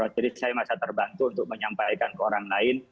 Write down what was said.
jadi saya masih terbantu untuk menyampaikan ke orang lain